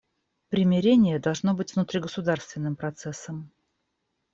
Примирение должно быть внутригосударственным процессом.